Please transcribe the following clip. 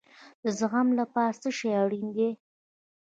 د زغم لپاره څه شی اړین دی؟